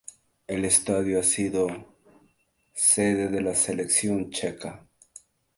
El estadio ha sido sede de la selección checa.